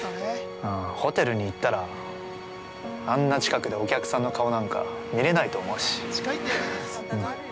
ホテルに行ったら、あんな近くでお客さんの顔なんか見れないと思うし。